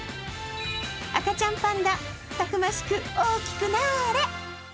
赤ちゃんパンダ、たくましく大きくなあれ。